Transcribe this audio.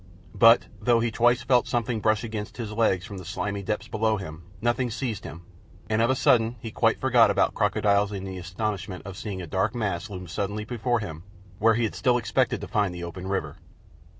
But, though he twice felt something brush his legs from the slimy depths below him, nothing seized him, and of a sudden he quite forgot about crocodiles in the astonishment of seeing a dark mass loom suddenly before him where he had still expected to find the open river.